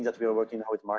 jadi anda akan bersemangat